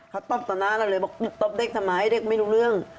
เขาต้มต่อนานเรียกว่าต้มเด็กสมัยเด็กไม่รู้เรื่อง